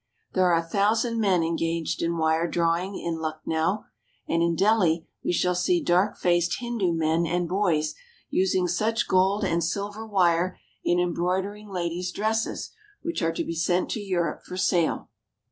There are a thousand men engaged in. wire drawing in Lucknow ; and in Delhi we shall see dark faced Hindu men and boys using such gold and silver wire in embroidering ladies* dresses which are to be sent to Europe for sale.